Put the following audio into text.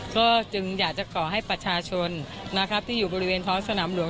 ก็จึงอยากจะก่อให้ประชาชนนะครับที่อยู่บริเวณท้องสนามหลวง